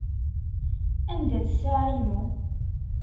Anda-tt ssaεa-inu?